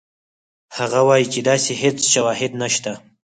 هغه وایي چې داسې هېڅ شواهد نشته.